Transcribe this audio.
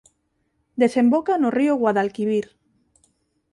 Desemboca no río Guadalquivir.